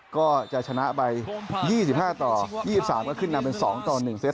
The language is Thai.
ก็จะชนะไป๒๕ต่อ๒๓ก็ขึ้นนำเป็น๒ต่อ๑เซต